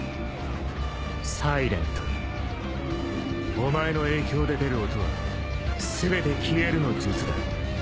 お前の影響で出る音は全て消えるの術だ。